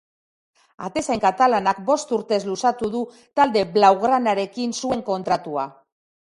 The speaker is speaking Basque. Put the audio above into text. Atezain katalanak bost urtez luzatu du talde blaugranarekin zuen kontratua.